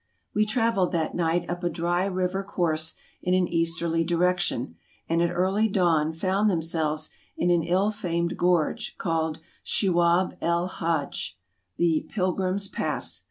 We traveled that night up a dry river course in an east ASIA 245 erly direction, and at early dawn found ourselves in an ill famed gorge, called Shuab el Hadj (the " Pilgrim's Pass